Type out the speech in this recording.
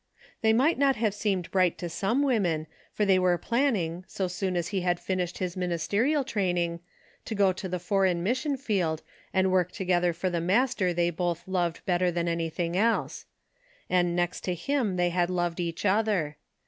They might not have seemed bright to some women, for they were planning, so soon as he had finished his ministerial train ing, to go to the Foreign Mission field and work together for the Master they both loved better than anything else. And next to him Jbhey had loved each other.